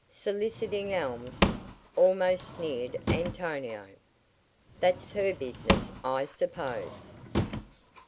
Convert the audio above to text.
"Soliciting alms," almost sneered Antonio. "That's her business, I suppose."